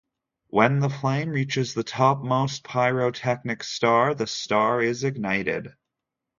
When the flame reaches the topmost pyrotechnic star, the star is ignited.